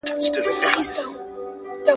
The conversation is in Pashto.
دا وګړي ډېر کړې خدایه خپل بادار ته غزل لیکم !.